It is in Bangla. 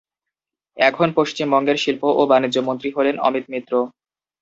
এখন পশ্চিমবঙ্গের শিল্প ও বাণিজ্য মন্ত্রী হলেন অমিত মিত্র।